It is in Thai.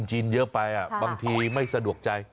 ใช่บางทีไม่สะดวกใจ